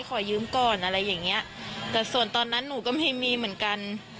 ขอยืมก่อนอะไรอย่างเงี้ยแต่ส่วนตอนนั้นหนูก็ไม่มีเหมือนกัน